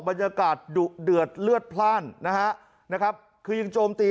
บรรยากาศดุเดือดเลือดพลาดนะฮะนะครับคือยังโจมตี